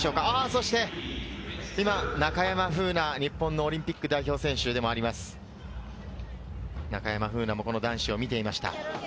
そして中山楓奈、日本のオリンピック代表選手でもあります、中山楓奈もこの男子を見ていました。